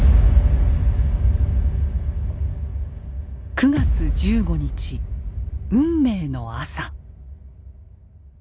９月１５日運命の朝。